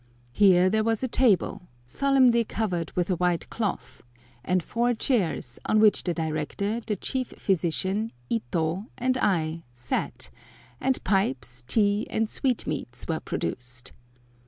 Here there was a table, solemnly covered with a white cloth, and four chairs, on which the Director, the Chief Physician, Ito, and I sat, and pipes, tea, and sweetmeats, were produced.